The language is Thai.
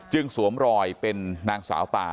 สวมรอยเป็นนางสาวตา